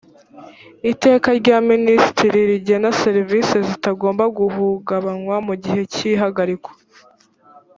iteka rya minisitiri rigena serivisi zitagomba guhungabanywa mu gihe cy ihagarikwa